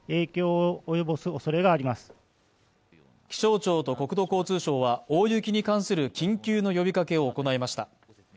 気象庁と国土交通省は大雪に関する緊急の呼びかけを行いました。